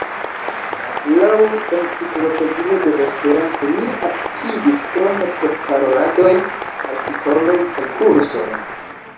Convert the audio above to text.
Laŭ "Enciklopedio de Esperanto", li aktivis krome per paroladoj, artikoloj kaj kursoj.